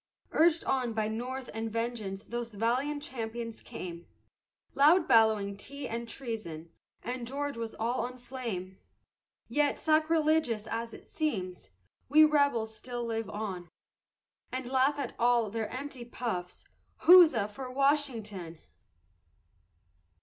Urged on by North and vengeance those valiant champions came, Loud bellowing Tea and Treason, and George was all on flame, Yet sacrilegious as it seems, we rebels still live on, And laugh at all their empty puffs, huzza for Washington!